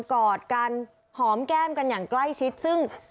กอดกันหอมแก้มกันอย่างใกล้ชิดซึ่ง